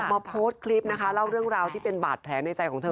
โพสต์คลิปนะคะเล่าเรื่องราวที่เป็นบาดแผลในใจของเธอ